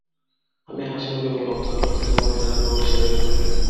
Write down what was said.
আমি হাসিমুখে বললাম, তাহলে তো তোমার রোগ সেরে গেল।